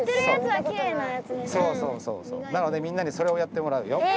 なのでみんなにそれをやってもらうよ。